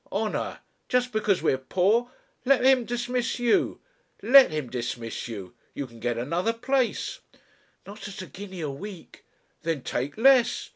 Honour! Just because we are poor Let him dismiss you! Let him dismiss you. You can get another place " "Not at a guinea a week." "Then take less."